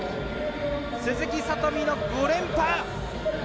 鈴木聡美の５連覇！